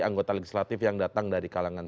anggota legislatif yang datang dari kalangan